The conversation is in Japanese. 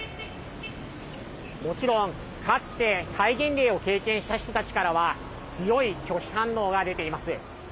もちろん、かつて戒厳令を経験した人たちからは強い拒否反応が出ています。